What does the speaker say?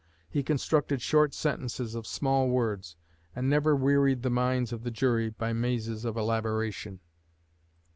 He constructed short sentences of small words, and never wearied the minds of the jury by mazes of elaboration."